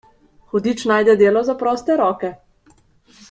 Hudič najde delo za proste roke.